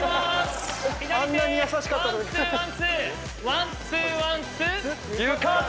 ワンツーワンツー。